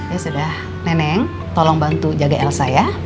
ya sudah neneng tolong bantu jaga elsa ya